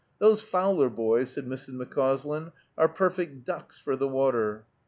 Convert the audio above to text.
"Those Fowler boys," said Mrs. McCauslin, "are perfect ducks for the water."